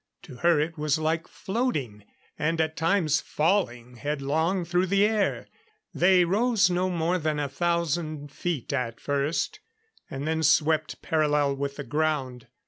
To her it was like floating, and at times falling headlong through the air. They rose no more than a thousand feet at first, and then swept parallel with the ground.